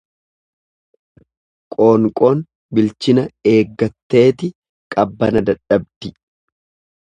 Qoonqoon bilchina eeggatteeti qabbana dadhabdi.